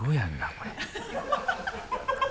これ。